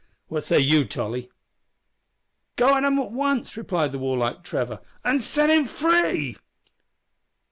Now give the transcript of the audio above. What say you, Tolly?" "Go at 'em at once," replied the warlike Trevor, "an' set him free."